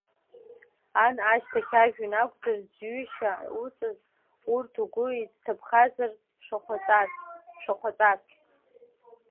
Ан ашьҭахь ажәҩан акәзар зҩышьа уҵаз, урҭ угәы еицҭаԥхазар шәахәаҵас?